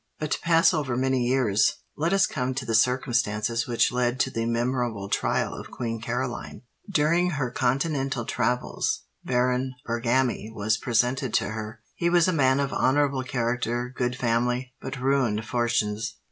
But to pass over many years, let us come to the circumstances which led to the memorable trial of Queen Caroline. During her continental travels, Baron Bergami was presented to her. He was a man of honourable character, good family, but ruined fortunes.